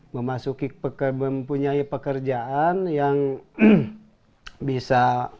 memasuki mempunyai pekerjaan yang bisa